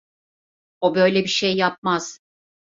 O böyle bir şey yapmaz.